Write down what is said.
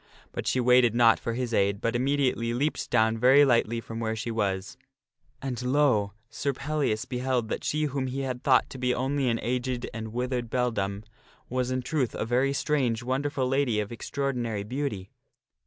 But she waited not for his aid, but immediately leaped down very lightly from where she was. And, lo ! Sir Pellias beheld that she whom he had thought to be only an aged and withered beldame was, in truth, a very strange, wonderful lady of extraordinary beauty.